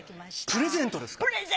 プレゼントです！